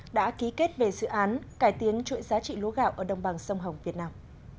đã ký kết về dự án cải tiến chuỗi giá trị lúa gạo ở đồng bằng sông hồng việt nam